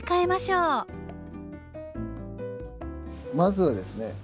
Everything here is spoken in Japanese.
まずはですね